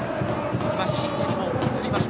今、新谷も映りました。